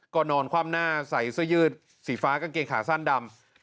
ก็นอนคว่ำหน้าใส่เสื้อยืดสีฟ้ากางเกงขาสั้นดำ